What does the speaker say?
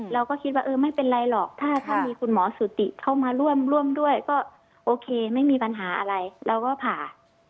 เราก็คิดว่าเออไม่เป็นไรหรอกถ้ามีคุณหมอสุติเข้ามาร่วมด้วยก็โอเคไม่มีปัญหาอะไรเราก็ผ่า